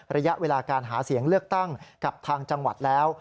ระยะเวลาการหาเสียงเลือกตั้งกับทางจังหวัดแล้ว